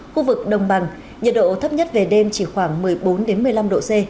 khu vực đồng bằng nhiệt độ thấp nhất về đêm chỉ khoảng một mươi bốn một mươi năm độ c